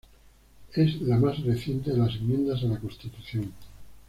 Es la más reciente de las enmiendas a la constitución.